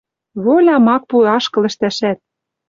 Волям ак пу ашкыл ӹштӓшӓт...»